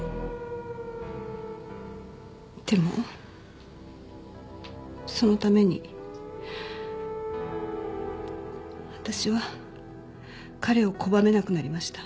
でもそのために私は彼を拒めなくなりました。